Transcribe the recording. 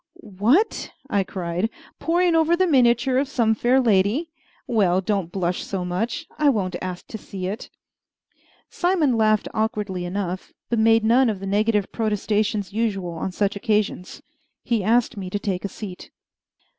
"What!" I cried, "poring over the miniature of some fair lady? Well, don't blush so much; I won't ask to see it." Simon laughed awkwardly enough, but made none of the negative protestations usual on such occasions. He asked me to take a seat.